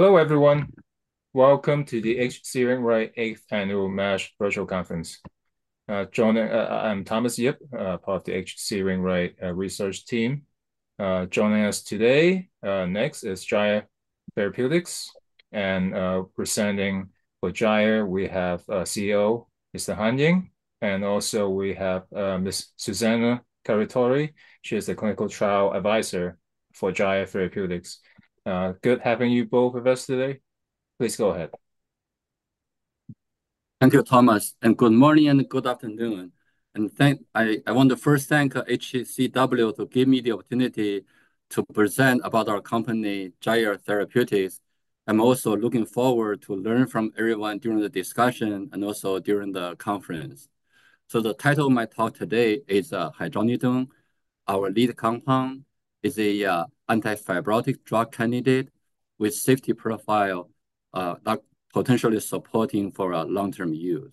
Hello, everyone. Welcome to the H.C. Wainwright 8th Annual MASH Virtual Conference. Joining, I'm Thomas Yip, part of the H.C. Wainwright Research Team. Joining us today, next, is Gyre Therapeutics. Presenting for Gyre, we have CEO, Mr. Han Ying, and also we have Miss Suzana Carattori. She is the clinical trial advisor for Gyre Therapeutics. Good having you both with us today. Please go ahead. Thank you, Thomas, and good morning and good afternoon. I want to first thank HCW for giving me the opportunity to present about our company, Gyre Therapeutics. I'm also looking forward to learn from everyone during the discussion and also during the conference. The title of my talk today is Hydronidone, our lead compound, is a anti-fibrotic drug candidate with safety profile that potentially supports long-term use.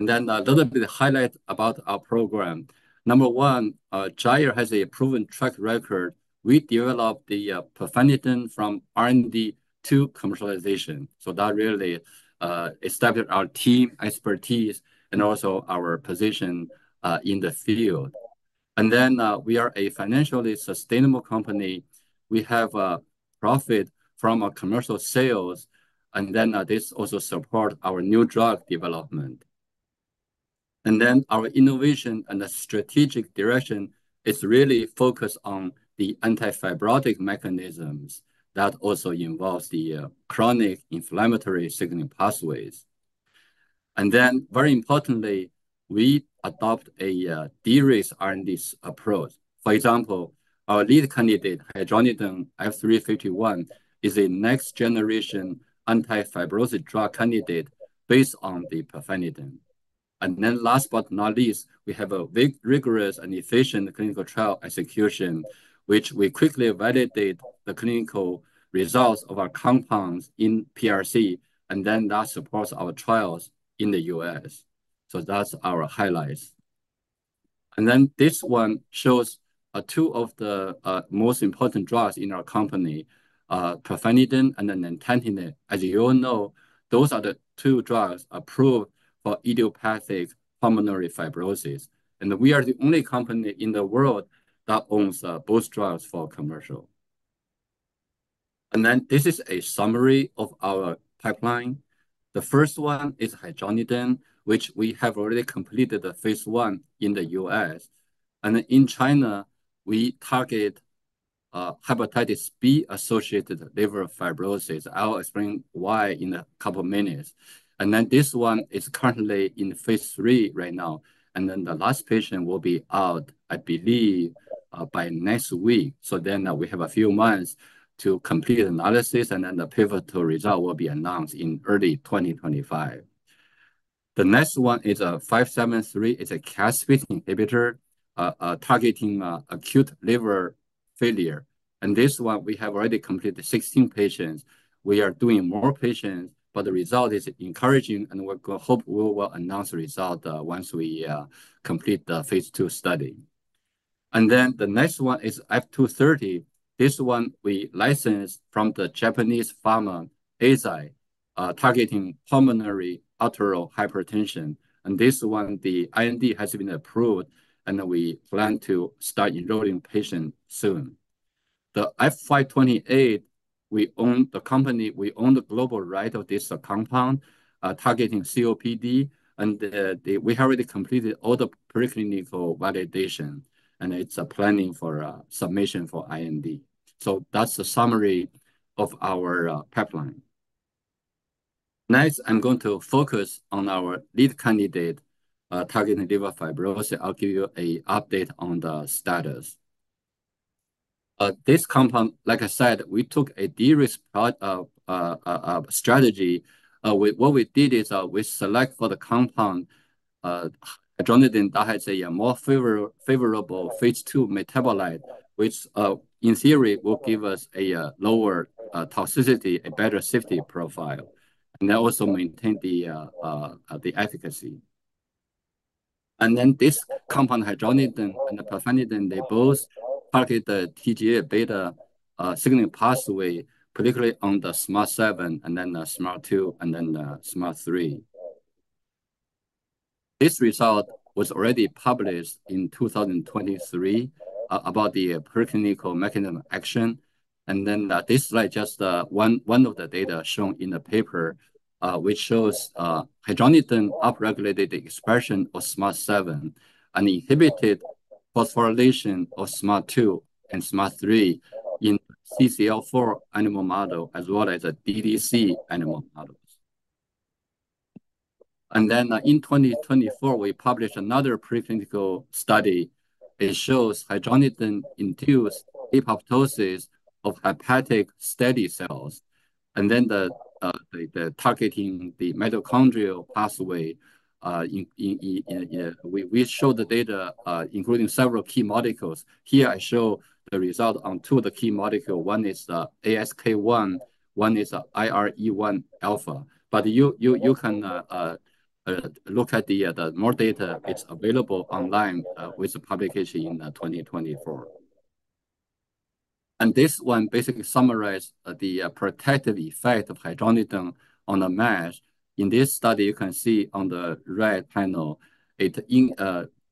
Then a little bit of highlight about our program. Number one, Gyre has a proven track record. We developed the Pirfenidone from R&D to commercialization. So that really established our team expertise and also our position in the field. We are a financially sustainable company. We have profit from our commercial sales, and then this also supports our new drug development. And then, our innovation and strategic direction is really focused on the anti-fibrotic mechanisms that also involves the chronic inflammatory signaling pathways. And then, very importantly, we adopt a de-risk R&D approach. For example, our lead candidate, Hydronidone F351, is a next-generation anti-fibrosis drug candidate based on the Pirfenidone. And then, last but not least, we have a big rigorous and efficient clinical trial execution, which we quickly validate the clinical results of our compounds in PRC, and then that supports our trials in the U.S. So that's our highlights. And then, this one shows two of the most important drugs in our company, Pirfenidone and then Nintedanib. As you all know, those are the two drugs approved for idiopathic pulmonary fibrosis, and we are the only company in the world that owns both drugs for commercial. This is a summary of our pipeline. The first one is Hydronidone, which we have already completed the phase one in the U.S. In China, we target hepatitis B-associated liver fibrosis. I'll explain why in a couple minutes. Then, this one is currently in phase three right now, and then the last patient will be out, I believe, by next week. We have a few months to complete analysis, and then the pivotal result will be announced in early 2025. The next one is F573. It's a caspase inhibitor targeting acute liver failure. This one, we have already completed sixteen patients. We are doing more patients, but the result is encouraging, and we hope we will announce the result once we complete the phase two study. And then, the next one is F230. This one we licensed from the Japanese pharma, Eisai, targeting pulmonary arterial hypertension, and this one, the IND has been approved, and we plan to start enrolling patients soon. The F528, we own the global right of this compound, targeting COPD, and we have already completed all the preclinical validation, and it's a planning for a submission for IND. So that's the summary of our pipeline. Next, I'm going to focus on our lead candidate, targeting liver fibrosis. I'll give you an update on the status. This compound, like I said, we took a de-risk approach strategy. What we did is, we select for the compound, Hydronidone. That has a more favorable phase two metabolite, which in theory will give us a lower toxicity, a better safety profile, and that also maintain the efficacy. This compound, Hydronidone and the Pirfenidone, they both target the TGF-beta signaling pathway, particularly on the Smad7, and then the Smad2, and then the Smad3. This result was already published in 2023 about the preclinical mechanism of action. This slide just one of the data shown in the paper, which shows Hydronidone upregulated the expression of Smad7 and inhibited phosphorylation of Smad2 and Smad3 in CCl4 animal model, as well as a DDC animal models. In 2024, we published another preclinical study. It shows Hydronidone induced apoptosis of hepatic stellate cells, and then the targeting the mitochondrial pathway, in. We show the data, including several key molecules. Here, I show the result on two of the key molecule. One is ASK1, one is IRE1 alpha. But you can look at the more data. It's available online with the publication in twenty twenty-four, and this one basically summarize the protective effect of Hydronidone on the MASH. In this study, you can see on the right panel, it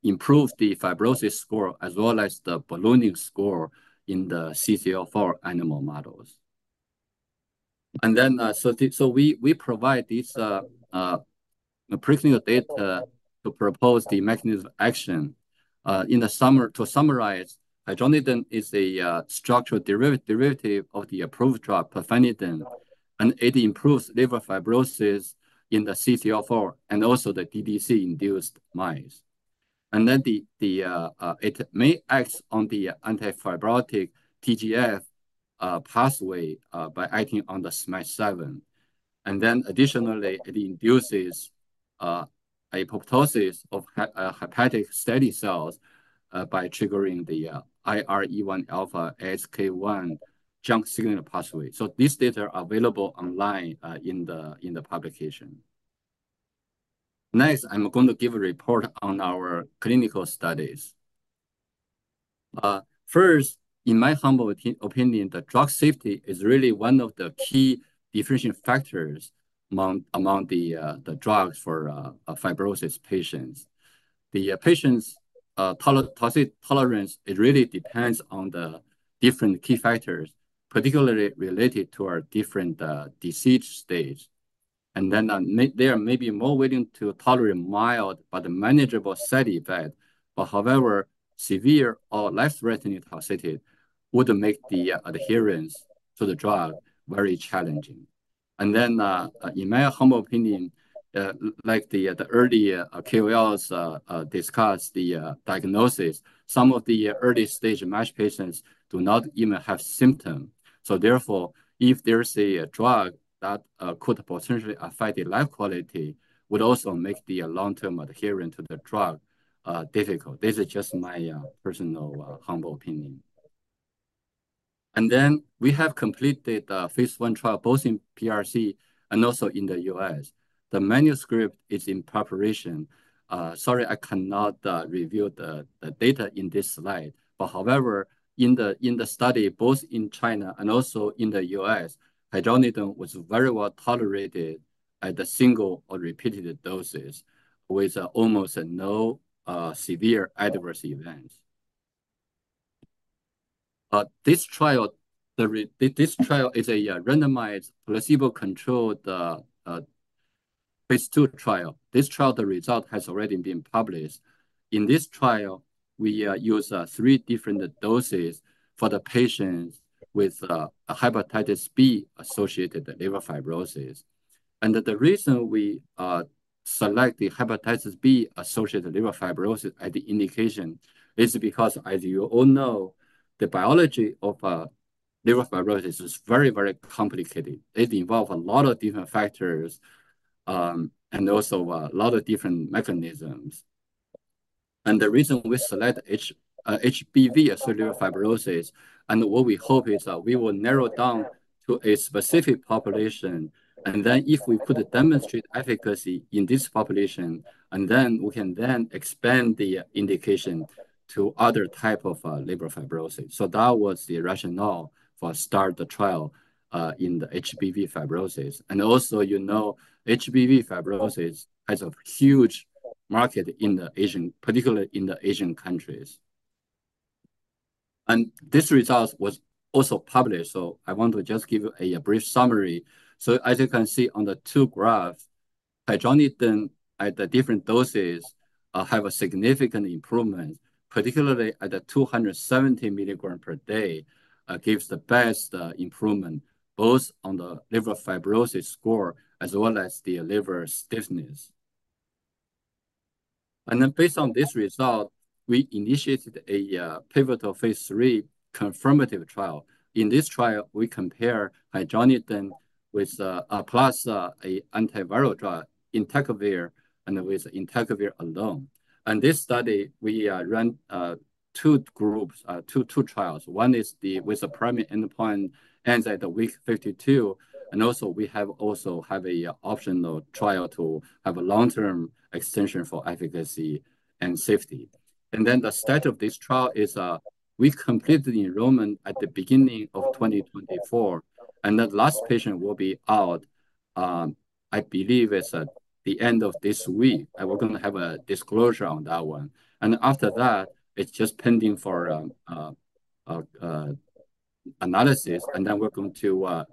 improves the fibrosis score as well as the ballooning score in the CCl4 animal models. And then we provide this preclinical data to propose the mechanism of action. To summarize, Hydronidone is a structural derivative of the approved drug Pirfenidone, and it improves liver fibrosis in the CCl4 and also the DDC-induced mice. It may act on the antifibrotic TGF pathway by acting on the Smad7. Additionally, it induces apoptosis of hepatic stellate cells by triggering the IRE1α/XBP1 JNK signaling pathway. These data are available online in the publication. Next, I'm going to give a report on our clinical studies. First, in my humble opinion, the drug safety is really one of the key differentiating factors among the drugs for fibrosis patients. The patient's toxic tolerance really depends on the different key factors, particularly related to our different disease stage. They are maybe more willing to tolerate mild but manageable side effect. However, severe or life-threatening toxicity would make the adherence to the drug very challenging. In my humble opinion, like the early KOLs discussed the diagnosis, some of the early-stage MASH patients do not even have symptom. Therefore, if there's a drug that could potentially affect their life quality, would also make the long-term adherence to the drug difficult. This is just my personal humble opinion. We have completed a phase I trial, both in PRC and also in the U.S. The manuscript is in preparation. Sorry, I cannot review the data in this slide, but however, in the study, both in China and also in the U.S., Hydronidone was very well tolerated at a single or repeated doses, with almost no severe adverse events. This trial is a randomized, placebo-controlled phase II trial. This trial, the result has already been published. In this trial, we use three different doses for the patients with a Hepatitis B-associated liver fibrosis. The reason we select the Hepatitis B-associated liver fibrosis as the indication is because, as you all know, the biology of liver fibrosis is very, very complicated. It involve a lot of different factors, and also a lot of different mechanisms. The reason we select HBV-associated fibrosis, and what we hope is that we will narrow down to a specific population, and then if we could demonstrate efficacy in this population, and then we can then expand the indication to other type of liver fibrosis. That was the rationale for start the trial in the HBV fibrosis. Also, you know, HBV fibrosis has a huge market in the Asian, particularly in the Asian countries. This result was also published, so I want to just give you a brief summary. As you can see on the two graphs, Hydronidone at the different doses have a significant improvement, particularly at the 270 mg per day gives the best improvement, both on the liver fibrosis score as well as the liver stiffness. And then, based on this result, we initiated a pivotal phase 3 confirmative trial. In this trial, we compare Hydronidone with plus a antiviral drug, Entecavir, and with Entecavir alone. And this study, we run two groups, two trials. One is with the primary endpoint ends at the week 52, and also we have an optional trial to have a long-term extension for efficacy and safety. And then the status of this trial is, we've completed the enrollment at the beginning of 2024, and the last patient will be out. I believe it's at the end of this week, and we're going to have a disclosure on that one. And after that, it's just pending for analysis, and then we're going to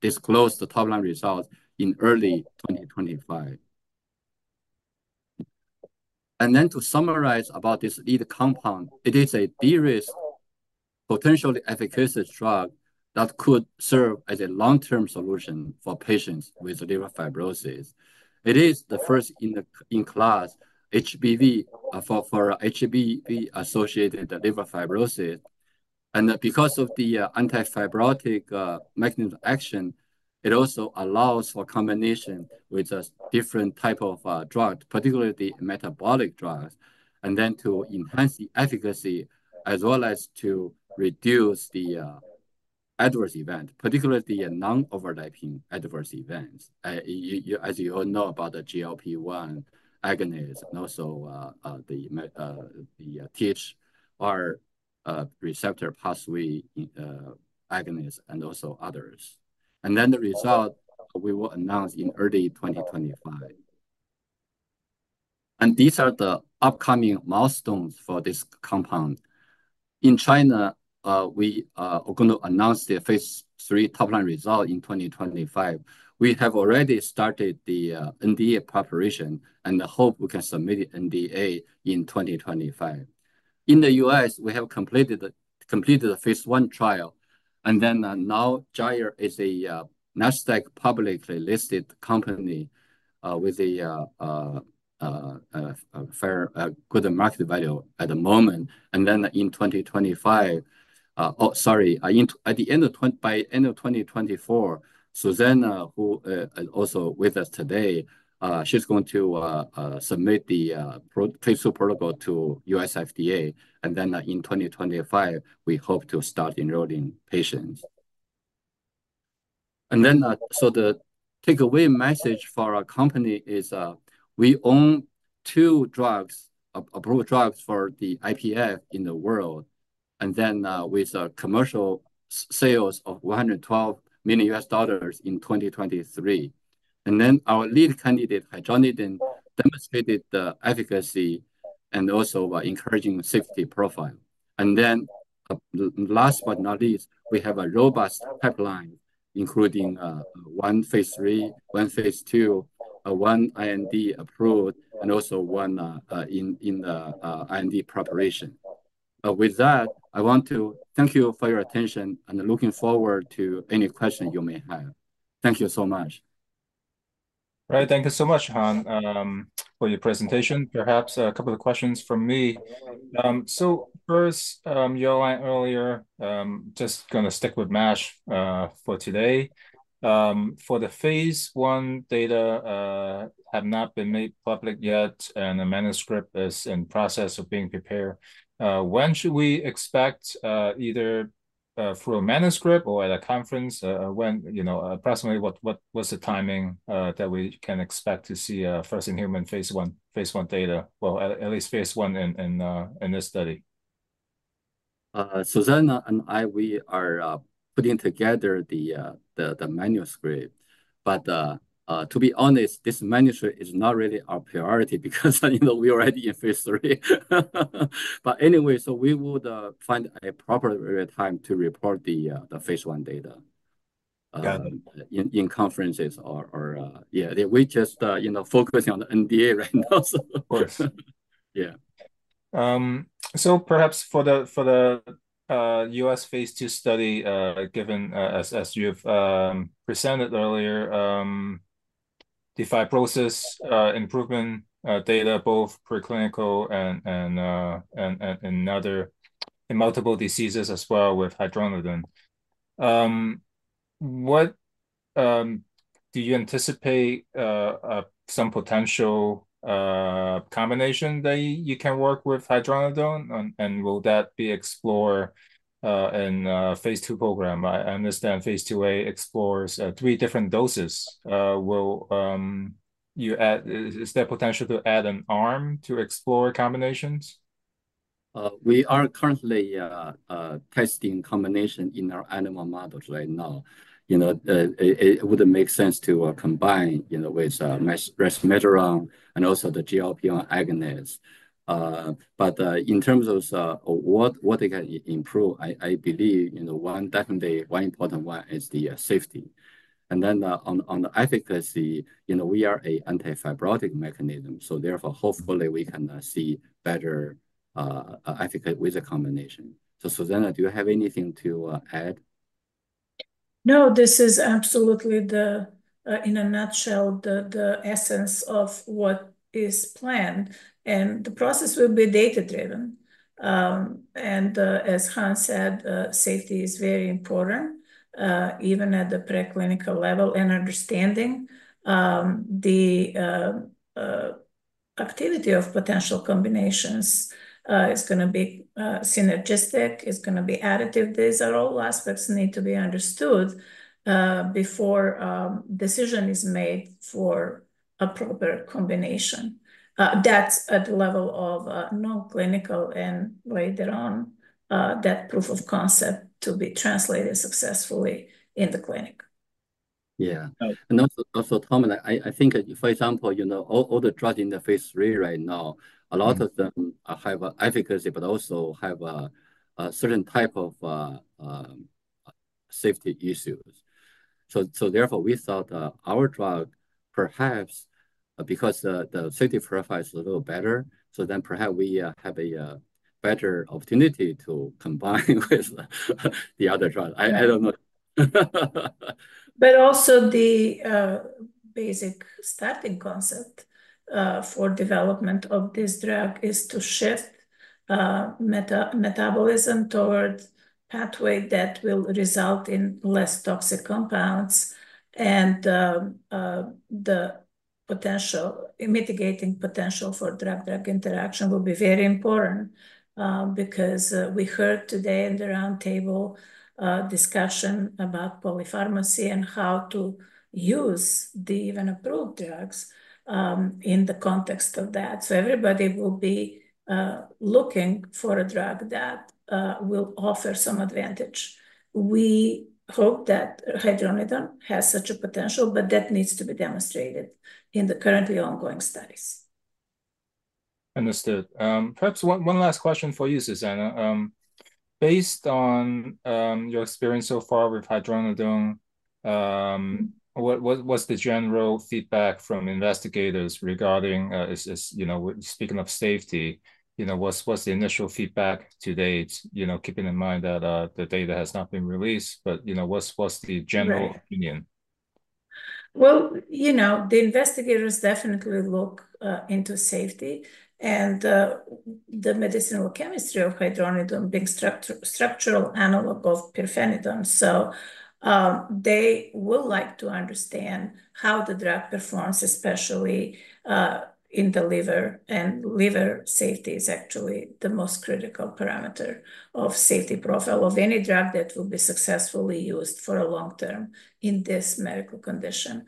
disclose the top-line results in early 2025. And then to summarize about this lead compound, it is a de-risked, potentially efficacious drug that could serve as a long-term solution for patients with liver fibrosis. It is the first in class HBV for HBV-associated liver fibrosis. And because of the antifibrotic mechanism action, it also allows for combination with a different type of drug, particularly the metabolic drugs, and then to enhance the efficacy as well as to reduce the adverse event, particularly in non-overlapping adverse events. As you all know about the GLP-1 agonist and also the THR receptor pathway agonist, and also others. And then the result, we will announce in early 2025. And these are the upcoming milestones for this compound. In China, we are going to announce the phase three top-line result in 2025. We have already started the NDA preparation and hope we can submit NDA in 2025. In the U.S., we have completed the phase one trial, and then now Gyre is a Nasdaq publicly listed company with a good market value at the moment. And then by end of twenty twenty-four, Suzana, who is also with us today, she's going to submit the protocol to U.S. FDA, and then in 2025, we hope to start enrolling patients. The takeaway message for our company is we own two approved drugs for IPF in the world, with commercial sales of $112 million in 2023. Our lead candidate, Hydronidone, demonstrated the efficacy and also encouraging safety profile. Last but not least, we have a robust pipeline, including one phase 3, one phase 2, one IND approved, and also one in IND preparation. With that, I want to thank you for your attention, and looking forward to any questions you may have. Thank you so much. Right. Thank you so much, Han, for your presentation. Perhaps a couple of questions from me. So first, you and I earlier, just gonna stick with MASH, for today. For the phase one data, have not been made public yet, and the manuscript is in process of being prepared. When should we expect, either, through a manuscript or at a conference, when, you know, approximately what's the timing, that we can expect to see, first in human phase one data? Well, at least phase one in this study. Suzana and I, we are putting together the manuscript, but to be honest, this manuscript is not really our priority because, you know, we are already in phase three. But anyway, so we would find a proper time to report the phase one data- Got it in conferences or yeah. We just, you know, focusing on the NDA right now, so, Yes. Yeah. So perhaps for the U.S. phase two study, given as you've presented earlier, the fibrosis improvement data, both preclinical and other in multiple diseases as well with Hydronidone. What do you anticipate some potential combination that you can work with Hydronidone, and will that be explored in phase two program? I understand phase two-A explores three different doses. Will you add... Is there potential to add an arm to explore combinations? We are currently testing combination in our animal models right now. You know, it would make sense to combine, you know, with Resmetirom and also the GLP-1 agonists. But in terms of what they can improve, I believe, you know, one, definitely one important one is the safety. And then on the efficacy, you know, we are a antifibrotic mechanism, so therefore, hopefully, we can see better efficacy with the combination. So, Suzana, do you have anything to add? No, this is absolutely, in a nutshell, the essence of what is planned, and the process will be data-driven, and as Han said, safety is very important, even at the preclinical level, and understanding the activity of potential combinations is gonna be synergistic, is gonna be additive. These are all aspects need to be understood before decision is made for a proper combination. That's at the level of non-clinical, and later on, that proof of concept to be translated successfully in the clinic. Yeah. Also, Tom, I think, for example, you know, all the drugs in the phase three right now, a lot of them have efficacy, but also have a certain type of safety issues. So therefore, we thought our drug perhaps, because the safety profile is a little better, so then perhaps we have a better opportunity to combine with the other drug. I don't know. But also the basic starting concept for development of this drug is to shift metabolism towards pathway that will result in less toxic compounds, and the potential in mitigating potential for drug-drug interaction will be very important, because we heard today in the roundtable discussion about polypharmacy and how to use the even approved drugs in the context of that. So everybody will be looking for a drug that will offer some advantage. We hope that Hydronidone has such a potential, but that needs to be demonstrated in the currently ongoing studies. Understood. Perhaps one last question for you, Suzana. Based on your experience so far with Hydronidone, what's the general feedback from investigators regarding, you know, speaking of safety, you know, what's the initial feedback to date? You know, keeping in mind that the data has not been released, but, you know, what's the general- Right opinion? Well, you know, the investigators definitely look into safety, and the medicinal chemistry of Hydronidone being structural analog of pirfenidone. So, they will like to understand how the drug performs, especially in the liver, and liver safety is actually the most critical parameter of safety profile of any drug that will be successfully used for a long term in this medical condition.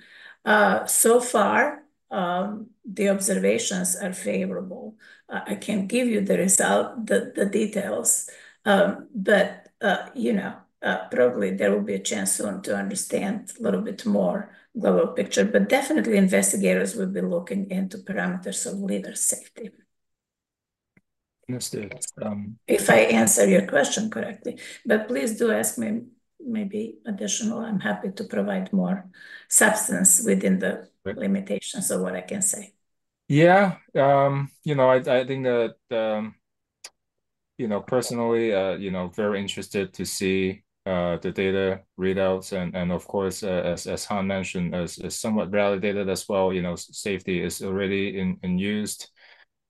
So far, the observations are favorable. I can't give you the result, the details, but you know, probably there will be a chance soon to understand a little bit more global picture. But definitely investigators will be looking into parameters of liver safety. Understood. If I answer your question correctly, but please do ask me maybe additional. I'm happy to provide more substance within the- Right limitations of what I can say. Yeah. You know, I think that, you know, personally, you know, very interested to see the data readouts and of course, as Han mentioned, as somewhat validated as well, you know, safety is already in use.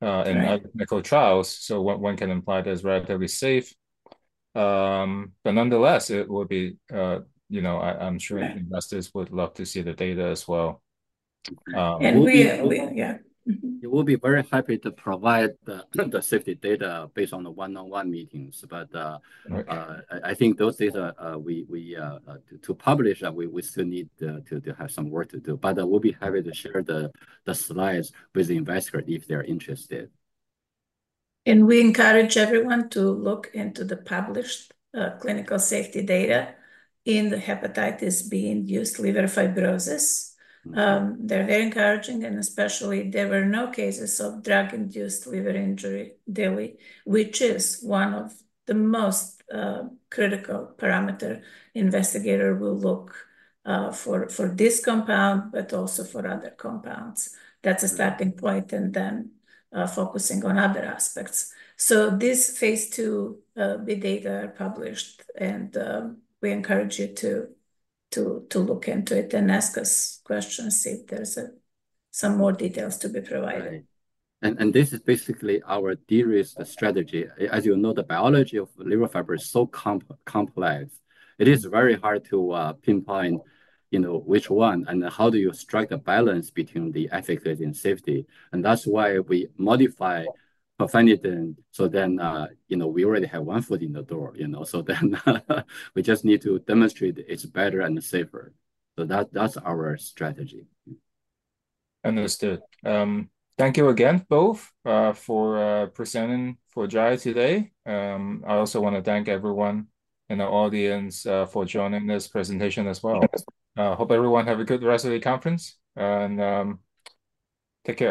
Right in clinical trials, so one can imply that it's relatively safe. But nonetheless, it will be, you know, I'm sure- Yeah investors would love to see the data as well. Yeah, we yeah. We will be very happy to provide the safety data based on the one-on-one meetings. But, Okay I think those data we to publish. We still need to have some work to do, but I will be happy to share the slides with the investor if they're interested. And we encourage everyone to look into the published clinical safety data in the Hepatitis B-induced liver fibrosis. They're very encouraging, and especially there were no cases of drug-induced liver injury, DILI, which is one of the most critical parameter investigator will look for this compound, but also for other compounds. That's a starting point, and then focusing on other aspects, so this phase II, the data are published, and we encourage you to look into it and ask us questions if there's some more details to be provided. Right. And this is basically our de-risk strategy. As you know, the biology of liver fibrosis is so complex, it is very hard to pinpoint, you know, which one, and how do you strike a balance between the efficacy and safety, and that's why we modify pirfenidone. So then, you know, we already have one foot in the door, you know? So then, we just need to demonstrate it's better and safer. So that, that's our strategy. Understood. Thank you again, both, for presenting for Gyre today. I also want to thank everyone in the audience for joining this presentation as well. Hope everyone have a good rest of the conference, and take care.